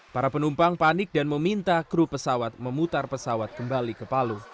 para penumpang panik dan meminta kru pesawat memutar pesawat kembali ke palu